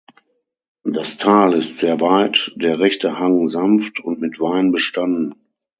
Das Tal ist sehr weit, der rechte Hang sanft und mit Wein bestanden.